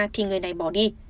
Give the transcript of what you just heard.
thì người này bỏ đi